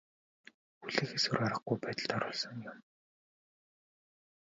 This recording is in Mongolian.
Хүлээхээс өөр аргагүй байдалд оруулсан юм.